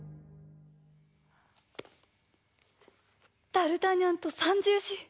ダルタニャンと三銃士。